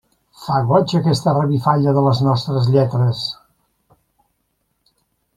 Fa goig aquesta revifalla de les nostres lletres.